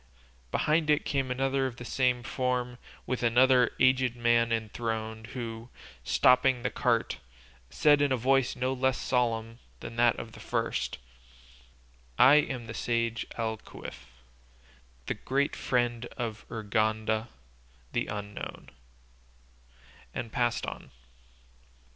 Behind it came another of the same form, with another aged man enthroned, who, stopping the cart, said in a voice no less solemn than that of the first, "I am the sage Alquife, the great friend of Urganda the Unknown," and passed on.